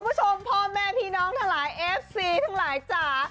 คุณผู้ชมพ่อแม่พี่น้องหลายเอฟซีหลายจ๋า